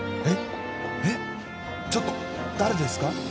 えっえっちょっと誰ですか